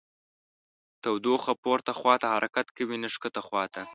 تودوخه پورته خواته حرکت کوي نه ښکته خواته.